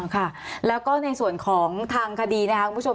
ค่ะแล้วก็ในส่วนของทางคดีนะครับคุณผู้ชม